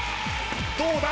どうだ？